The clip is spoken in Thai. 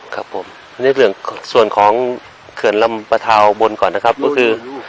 ครับผมในเรื่องของส่วนของเขื่อนลำประทาวบนก่อนนะครับก็คือ